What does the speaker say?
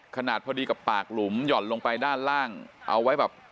ขนาดพอดีกับปากหลุมหย่อนลงไปด้านล่างเอาไว้แบบ